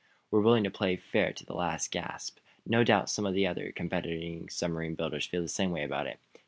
"We are willing to play fair to the last gasp. No doubt some of the other competing submarine builders feel the same way about it.